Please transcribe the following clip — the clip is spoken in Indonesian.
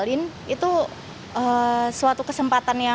itu saya kecewa juga